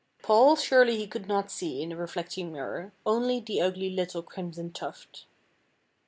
Paul surely he could not see in the reflecting mirror, only the ugly little Crimson Tuft.